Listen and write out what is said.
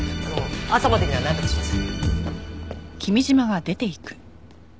朝までにはなんとかします。